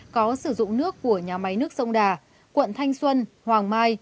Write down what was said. có sử dụng nước của nhà máy nước sông đà quận thanh xuân hoàng mai